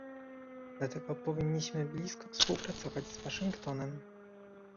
Dlatego powinniśmy blisko współpracować z Waszyngtonem